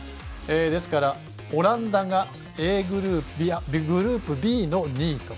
ですから、オランダがグループＢの２位と。